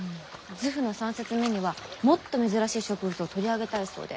図譜の３冊目にはもっと珍しい植物を取り上げたいそうで。